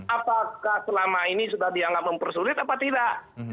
apakah selama ini sudah dianggap mempersulit apa tidak